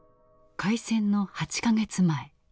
開戦の８か月前。